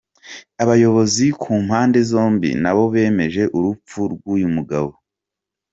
Abayobozi ku mpande zombi nabo bemeje urupfu rw’uyu mugabo.